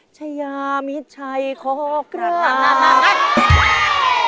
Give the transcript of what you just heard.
ช่วยยามิชัยขอบครับ